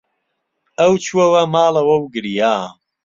ئەو چووەوە ماڵەوە و گریا.